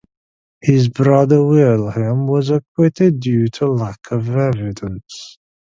His brother Wilhelm was acquitted due to lack of evidence.